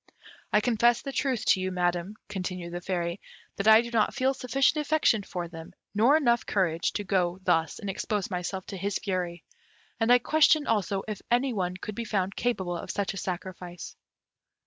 I confess the truth to you, Madam," continued the Fairy, "that I do not feel sufficient affection for them, nor enough courage, to go thus and expose myself to his fury, and I question, also, if any one could be found capable of such a sacrifice."